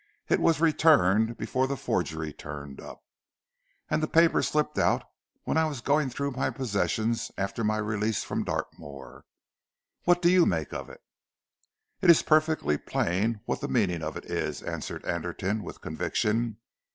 It was returned before the forgery turned up, and that paper slipped out when I was going through my possessions after my release from Dartmoor. What do you make of it?" "It is perfectly plain what the meaning of it is," answered Anderton with conviction.